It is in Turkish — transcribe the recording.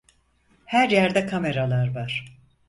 Her yerde kameralar var.